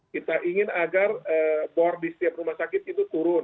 kita ingin agar bor di setiap rumah sakit itu turun